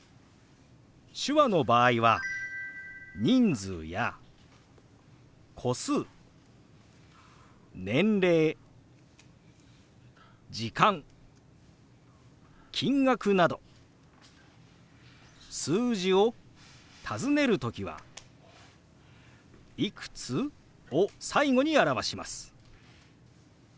手話の場合は人数や個数年齢時間金額など数字を尋ねる時は「いくつ？」を最後に表します。